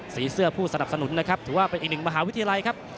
เสื้อผู้สนับสนุนนะครับถือว่าเป็นอีกหนึ่งมหาวิทยาลัยครับ